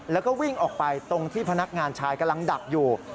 แล้วก็วิ่งออกไปตรงที่พนักงานชายกำลังดักอยู่